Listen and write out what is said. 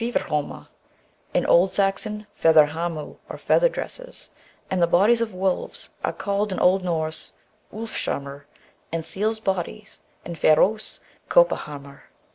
fe^erhoma, in OliSeiXonfetherhamo, or feather dresses ; and the bodies of wolves are called in old Norse ulfshamr, and seals' bodies in Faroese kdpahamr.